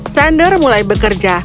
sander mulai bekerja